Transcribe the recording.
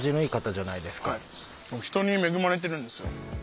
はい僕人に恵まれてるんですよ。